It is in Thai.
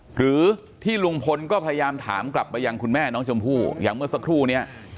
หรือที่ลุงพลก็พยายามถามกลับไปยังคุณแม่น้องชมพู่อย่างเมื่อสักครู่เนี่ย